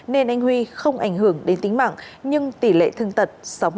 nên anh huy không ảnh hưởng đến tính mạng nhưng tỷ lệ thương tật sáu mươi